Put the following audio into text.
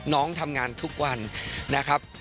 น้องทำงานทุกวันนะครับ